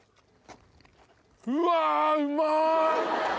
うわうまい！